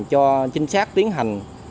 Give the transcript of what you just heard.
cho chính xác tiến hành